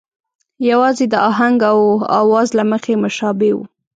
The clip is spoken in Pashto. یوازې د آهنګ او آواز له مخې مشابه وو.